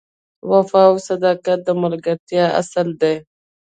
وفا او صداقت د ملګرتیا اصل دی.